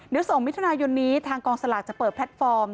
เดี๋ยว๒มิถุนายนนี้ทางกองสลากจะเปิดแพลตฟอร์ม